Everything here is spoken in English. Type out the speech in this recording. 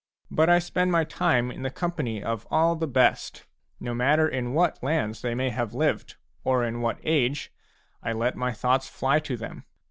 But I spend my time in the company of all the best ; no matter in what lands they may have lived, or in what age, I let my thoughts fly to them.